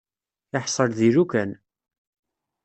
Iḥṣel di lukan.